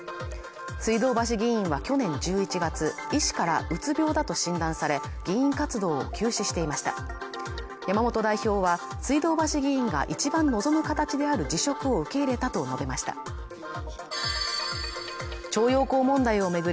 水道橋議員は去年１１月医師からうつ病だと診断され議員活動を休止していました山本代表は水道橋議員が一番望む形である辞職を受け入れたと述べました徴用工問題を巡り